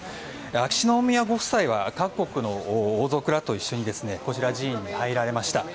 秋篠宮ご夫妻は各国の王族らと一緒にこちらの寺院に入られました。